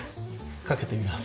かけてみます？